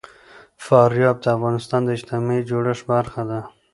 فاریاب د افغانستان د اجتماعي جوړښت برخه ده.